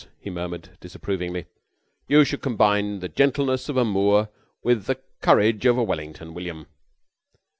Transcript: he murmured disapprovingly. "You should combine the gentleness of a Moore with the courage of a Wellington, William."